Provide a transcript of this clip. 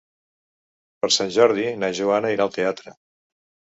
Per Sant Jordi na Joana irà al teatre.